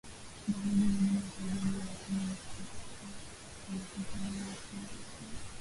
Dalili nyingine ya ugonjwa wa pumu ni kutokea kwa vifo vya ghafla kwa mifugo